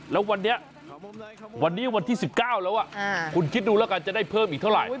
แล้ววันนี้วันนี้วันที่๑๙แล้วคุณคิดดูแล้วกันจะได้เพิ่มอีกเท่าไหร่